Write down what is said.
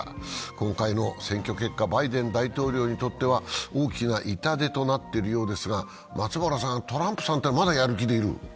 今回の選挙結果、バイデン大統領にとっては大きな痛手となっているようですが、トランプさんというのはまだやる気でいる？